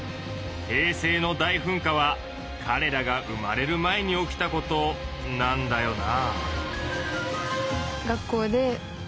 平成の大噴火はかれらが生まれる前に起きたことなんだよな。